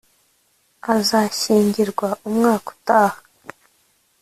azashyingirwa umwaka utaha